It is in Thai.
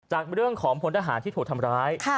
จากเรื่องของพลทหารที่ถูกทำร้าย